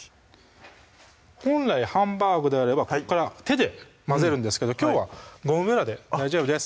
本来ハンバーグであればここから手で混ぜるんですけどきょうはゴムべらで大丈夫です